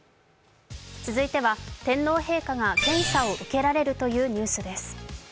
続いては天皇陛下が検査を受けられるというニュースです。